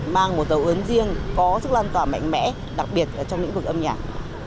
mang một tàu ướn riêng có sức lan tỏa mạnh mẽ đặc biệt trong những vực âm nhạc